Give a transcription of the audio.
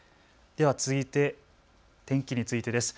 では続いて天気についてです。